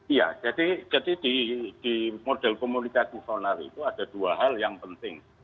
iya jadi di model komunikasi sonar itu ada dua hal yang penting